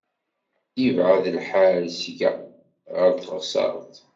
Yebɛed lḥal seg-a ɣer teɣsert.